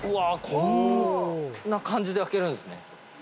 こんな感じで開けるんですね。